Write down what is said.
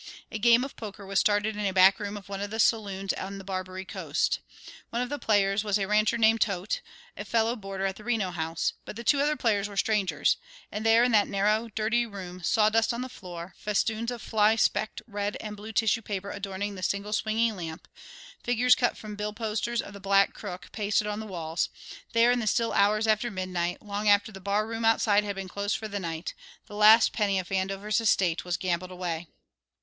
A game of poker was started in a back room of one of the saloons on the Barbary Coast. One of the players was a rancher named Toedt, a fellow boarder at the Reno House, but the two other players were strangers; and there in that narrow, dirty room, sawdust on the floor, festoons of fly specked red and blue tissue paper adorning the single swinging lamp, figures cut from bill posters of the Black Crook pasted on the walls, there in the still hours after midnight, long after the barroom outside had been closed for the night, the last penny of Vandover's estate was gambled away.